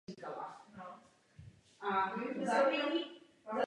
Rozhodující byl rozvoj strojírenského průmyslu.